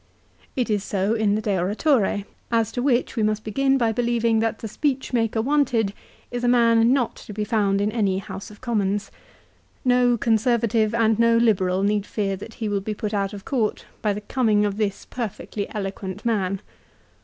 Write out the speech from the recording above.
It is so in the " De Oratore," as to which we must begin by believing that the speech maker wanted is a man not to be found in any House of Commons. No Conservative and no Liberal need fear that he will be put out of court by the coining of this perfectly eloquent man.